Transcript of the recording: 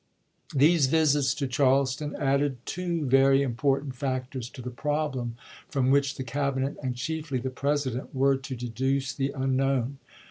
These visits to Charleston added two very im portant factors to the problem from which the Cabinet, and chiefly the President, were to deduce the unknown.